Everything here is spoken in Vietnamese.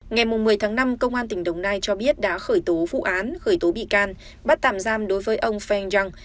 ngày một mươi tháng năm công an tỉnh đồng nai cho biết đã khởi tố vụ án khởi tố bị can bắt tạm giam đối với ông feng yong